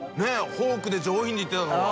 フォークで上品にいってたのが。